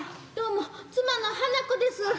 どうも妻の花子です。